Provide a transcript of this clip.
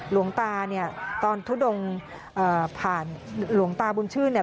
หลวงตาเนี่ยตอนทุดงผ่านหลวงตาบุญชื่นเนี่ย